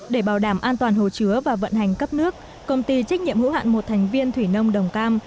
để bảo đảm an toàn hồ chứa và vận hành cấp nước công ty trách nhiệm hữu hạn một thành viên thủy nông đồng cam